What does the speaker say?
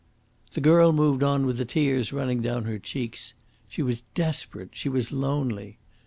The girl moved on with the tears running down her cheeks. She was desperate, she was lonely.